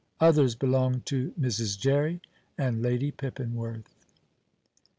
Others belonged to Mrs. Jerry and Lady Pippinworth.